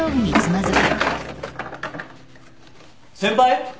先輩？